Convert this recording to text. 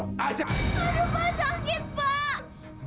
aduh pak sakit pak